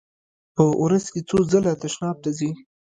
په ورځ کې څو ځله تشناب ته ځئ؟